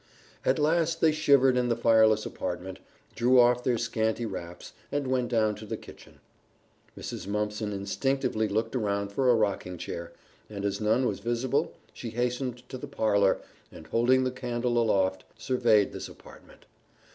At last they shivered in the fireless apartment, threw off their scanty wraps, and went down to the kitchen. Mrs. Mumpson instinctively looked around for a rocking chair, and as none was visible she hastened to the parlor, and, holding the candle aloft, surveyed this apartment.